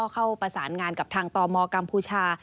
เข้าประสานงานกับทางตมกัมพูชา